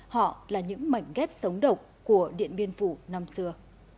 họ là những mảnh ghép sống độc của điện biên phủ năm xưa